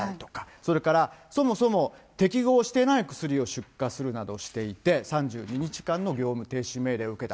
それからそもそも適合していない薬を出荷するなどしていて、３２日間の業務停止命令を受けた。